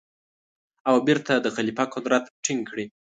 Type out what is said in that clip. او بېرته د خلیفه قدرت ټینګ کړي.